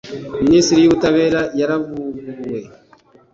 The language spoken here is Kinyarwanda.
minisiteri y'ubutabera yaravuguruwe